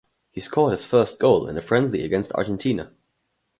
He scored his first goal in a friendly against Argentina.